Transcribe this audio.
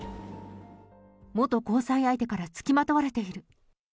元交際相手から付きまとわれている。